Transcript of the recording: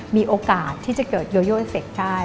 มีโอกาสที่จะเกิดโยโยเอฟเฟคได้